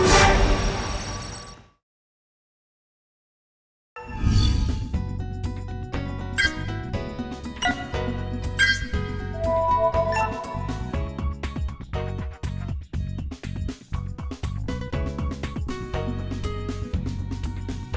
hẹn gặp lại